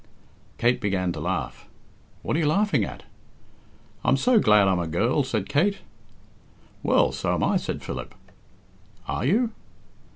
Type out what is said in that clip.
Kate began to laugh. "What are you laughing at?" "I'm so glad I'm a girl," said Kate. "Well, so am I," said Philip. "Are you?"